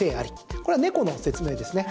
これは猫の説明ですね。